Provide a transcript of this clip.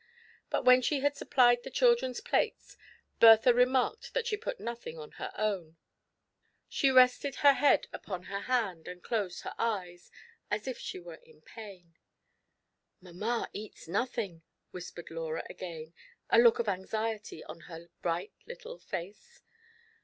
But when she had supplied the children's plates, Bertha re marked that she put nothing on her own; she rested her head upon her hand, and closed her eyes, as if she were in pain. "Mamma eats nothing," whispered Laura again, a look of anxiety ra her bright little face.